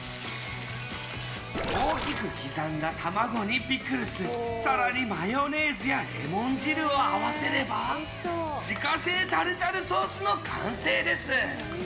大きく刻んだ卵にピクルス更にマヨネーズやレモン汁を合わせれば自家製タルタルソースの完成です。